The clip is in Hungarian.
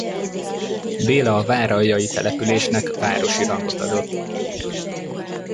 Béla a váraljai településnek városi rangot adott.